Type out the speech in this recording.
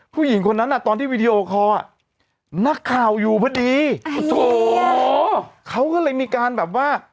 ผู้หญิงคนนั้นอ่ะตอนที่วีดีโอคอลอ่ะนักข่าวอยู่พอดีโอ้โหเขาก็เลยมีการแบบว่า